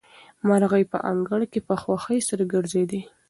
مرغۍ په انګړ کې په خوښۍ سره ګرځېدې.